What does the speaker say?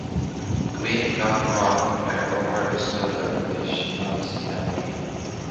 Guím gach rath ar obair na scoile anois agus sa todhchaí.